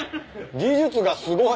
技術がすごい。